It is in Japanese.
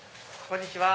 こんにちは。